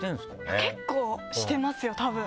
結構してますよたぶん。